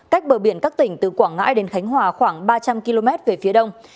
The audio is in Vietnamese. cách bờ biển các tỉnh từ quảng ngãi đến khánh hòa khoảng ba trăm linh km về phía đông